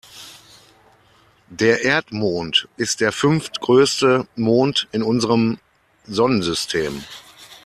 Der Erdmond ist der fünftgrößte Mond in unserem Sonnensystem.